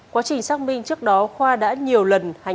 quá trình xác minh trước đó khoa đã nhiều lần hành hạ nạn nhân